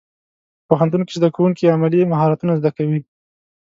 پوهنتون کې زدهکوونکي عملي مهارتونه زده کوي.